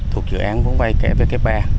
thuộc dự án vốn vai kẻ vk ba